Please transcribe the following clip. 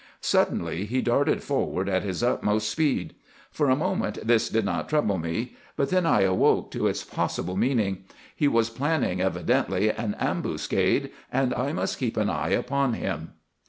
Suddenly he darted forward at his utmost speed. For a moment this did not trouble me; but then I awoke to its possible meaning. He was planning, evidently, an ambuscade, and I must keep an eye upon him.